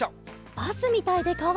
バスみたいでかわいいね！